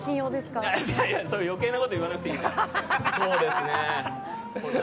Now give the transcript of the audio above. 余計なこと言わなくていいです。